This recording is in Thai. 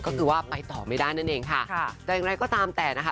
ก็คือว่าไปต่อไม่ได้นั่นเองค่ะแต่อย่างไรก็ตามแต่นะคะ